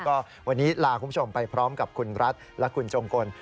ก็วันนี้ลาคุณผู้ชมไปพร้อมกับคุณรัฐและคุณจงกล